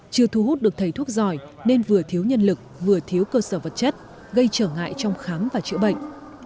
chưa thu hút được thầy thuốc giỏi nên vừa thiếu nhân lực vừa thiếu cơ sở vật chất gây trở ngại trong khám và chữa bệnh